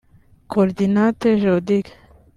Coordinate geodetic